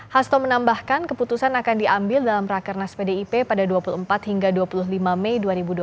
hasto menambahkan keputusan akan diambil dalam rakernas pdip pada dua puluh empat hingga dua puluh lima mei dua ribu dua puluh